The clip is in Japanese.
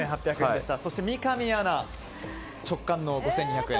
そして三上アナ直感の５２００円。